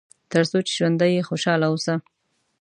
تر څو چې ژوندی یې خوشاله اوسه.